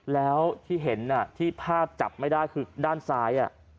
แล้วที่เห็นที่ภาพจับไม่ได้คือด้านซ้าย